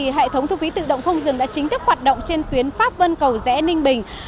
hệ thống thu phí tự động không dừng đã chính thức hoạt động trên tuyến pháp vân cầu rẽ ninh bình